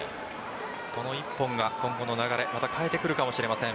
この１本が今後の流れまた変えてくるかもしれません。